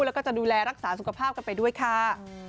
แล้วก็จะดูแลรักษาสุขภาพกันไปด้วยค่ะ